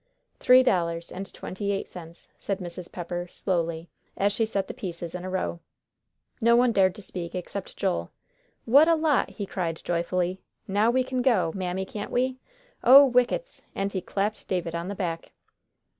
"Three dollars and twenty eight cents," said Mrs. Pepper, slowly, as she set the pieces in a row. No one dared to speak, except Joel. "What a lot!" he cried joyfully; "now we can go, Mammy, can't we? Oh, whickets!" and he clapped David on the back.